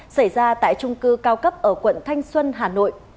xảy ra tại trung cư cao cấp ở quận thanh xuân hà nội